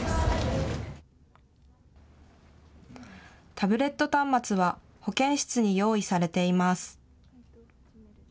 タブレット端末は保健室に用意されています。